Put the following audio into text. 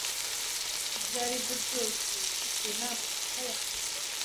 Ibyo ari byo byose, buri gihe ni amakosa yanjye.